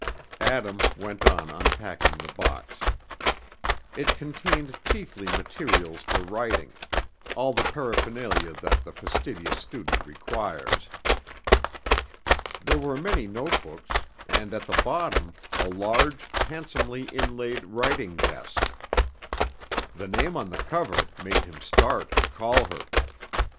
Adam went on unpacking the box. It contained chiefly materials for writing, all the paraphernalia that the fastidious student requires. There were many note books, and at the bottom a large, handsomely inlaid writing desk. The name on the cover made him start and call her.